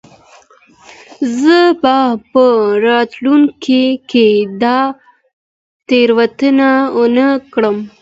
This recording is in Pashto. زه به په راتلونکې کې دا تېروتنه ونه کړم.